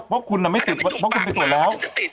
เพราะคุณไม่ติดเพราะคุณไปตรวจแล้ว